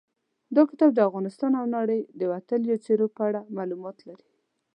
دا کتاب د افغانستان او نړۍ د وتلیو څېرو په اړه معلومات لري.